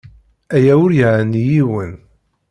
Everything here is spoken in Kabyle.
Aya ur yeɛni yiwen.